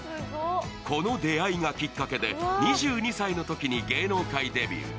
この出会いがきっかけで、２２歳のときに芸能界デビュー。